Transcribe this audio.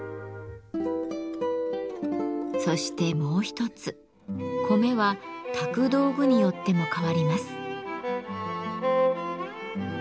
そしてもう一つ米は炊く道具によっても変わります。